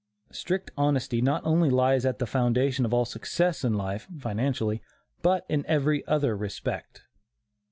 Strict honesty not only lies at the foundation of all success in life (financially), but in every other respect.